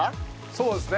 そうですね。